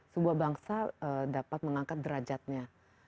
sebuah bangsa dapat mengangkat derajatnya